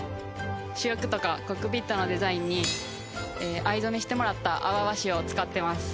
主翼とかコックピットのデザインに藍染めしてもらった阿波和紙を使ってます。